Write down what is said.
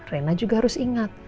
rena juga harus ingat